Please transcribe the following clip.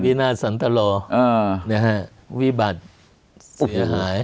นาสันตรอวิบัติเสียหาย